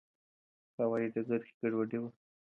هوايي ډګر کې ګډوډي وه.